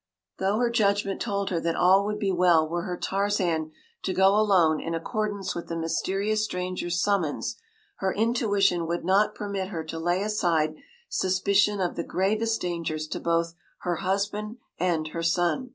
Though her judgment told her that all would be well were her Tarzan to go alone in accordance with the mysterious stranger’s summons, her intuition would not permit her to lay aside suspicion of the gravest dangers to both her husband and her son.